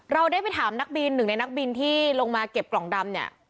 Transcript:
เราได้ไปถามนักบินหนึ่งในนักบินที่ลงมาเก็บกล่องดำเนี่ย